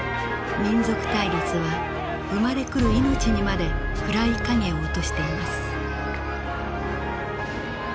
民族対立は生まれくる命にまで暗い影を落としています。